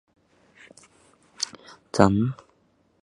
向塘镇是下辖的一个镇。